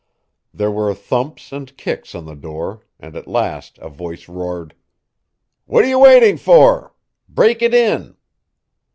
There were thumps and kicks on the door, and at last a voice roared: "What are you waiting for? Break it in."